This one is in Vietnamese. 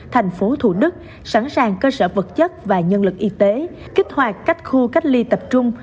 thành phố thủ đức sẵn sàng cơ sở vật chất và nhân lực y tế kích hoạt các khu cách ly tập trung